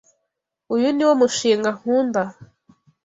Uyu niwo mushinga nkunda.